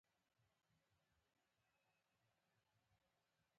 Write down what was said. رئیس جمهور خپلو عسکرو ته امر وکړ؛ خپاره شئ!